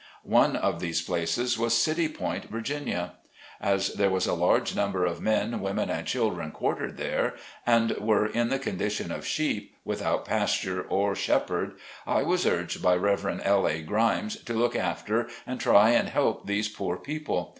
One of these places was City Point, Virginia. 58 SLAVE CABIN TO PULPIT. As there was a large number of men, women and children quartered here, and were in the condition of sheep, without pasture or shepherd, I was urged by Rev. L. A. Grimes, to look after and try and help these poor people.